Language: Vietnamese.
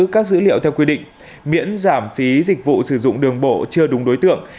các dữ liệu theo quy định miễn giảm phí dịch vụ sử dụng đường bộ chưa đúng đối tượng